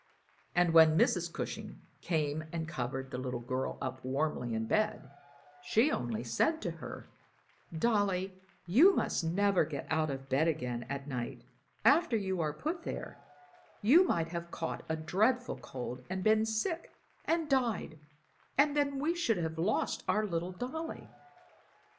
And when Mrs. Cushing came and covered the little girl up warmly in bed, she only said to her, "Dolly, you must never get out of bed again at night after you are put there; you might have caught a dreadful cold and been sick and died, and then we should have lost our little Dolly."